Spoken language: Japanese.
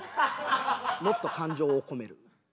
もっと感情を込める？